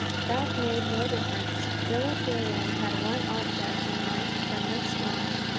That made no difference. Philip Dillwyn had one object in life from this time.